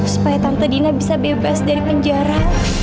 supaya tante dina bisa bebas dari penjara